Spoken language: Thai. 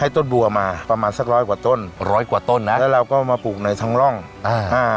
ต้นบัวมาประมาณสักร้อยกว่าต้นร้อยกว่าต้นนะแล้วเราก็มาปลูกในท้องร่องอ่าอ่า